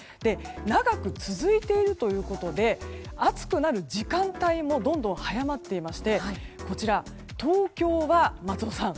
長く続いているということで暑くなる時間帯もどんどん早まっていまして東京は、松尾さん